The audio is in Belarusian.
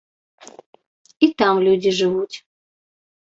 І там людзі жывуць.